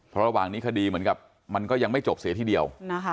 เพราะระหว่างนี้คดีเหมือนกับมันก็ยังไม่จบเสียทีเดียว